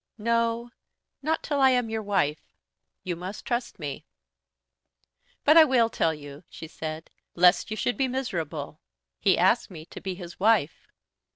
"No; not till I am your wife. You must trust me. But I will tell you," she said, "lest you should be miserable. He asked me to be his wife."